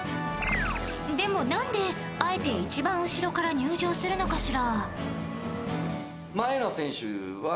でも何で、あえて一番後ろから入場するのかしら？